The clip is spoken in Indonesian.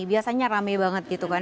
biasanya rame banget gitu kan